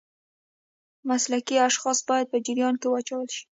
مسلکي اشخاص باید په جریان کې واچول شي.